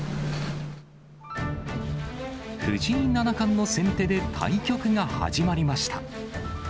藤井七冠の先手で対局が始まりました。